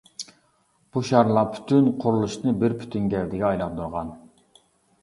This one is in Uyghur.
بۇ شارلار پۈتۈن قۇرۇلۇشنى بىر پۈتۈن گەۋدىگە ئايلاندۇرغان.